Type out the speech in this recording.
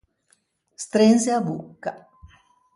Strenze a bocca.